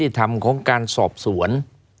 ธรรมของการสอบสวน